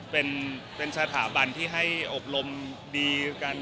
เป็นสถาบันที่ให้อบรมดีกัน